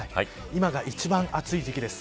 今が一番暑い時期です。